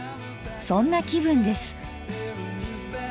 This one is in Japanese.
そんな気分です。